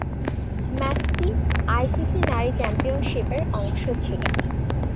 ম্যাচটি আইসিসি নারী চ্যাম্পিয়নশিপের অংশ ছিল।